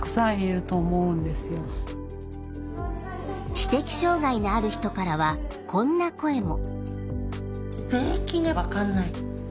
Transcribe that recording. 知的障害のある人からはこんな声も。